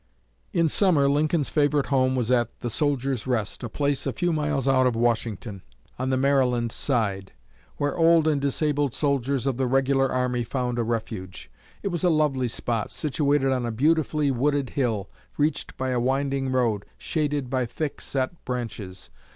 In summer Lincoln's favorite home was at "The Soldiers' Rest," a place a few miles out of Washington, on the Maryland side, where old and disabled soldiers of the regular army found a refuge. It was a lovely spot, situated on a beautifully wooded hill, reached by a winding road, shaded by thick set branches.